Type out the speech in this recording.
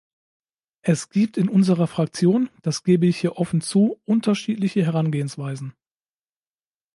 Es gibt in unserer Fraktion das gebe ich hier offen zu unterschiedliche Herangehensweisen.